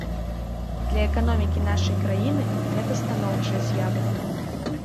Для эканомікі нашай краіны гэта станоўчыя з'явы.